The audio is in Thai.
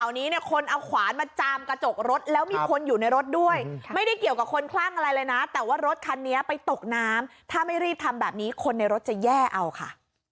อันนี้เนี่ยคนเอาขวานมาจามกระจกรถแล้วมีคนอยู่ในรถด้วยไม่ได้เกี่ยวกับคนคลั่งอะไรเลยนะแต่ว่ารถคันนี้ไปตกน้ำถ้าไม่รีบทำแบบนี้คนในรถจะแย่เอาค่ะ